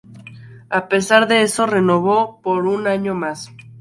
A pesar de eso, renovó por un año más.